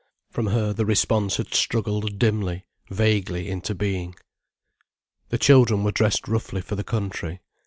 From her the response had struggled dimly, vaguely into being. The children were dressed roughly for the country.